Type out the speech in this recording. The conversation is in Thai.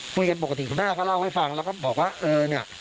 คุยกันปกติคุณแม่ก็เล่าให้ฟังแล้วก็บอกว่าเออเนี่ย